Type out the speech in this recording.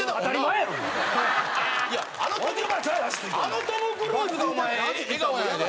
あのトム・クルーズがお前笑顔なんやで？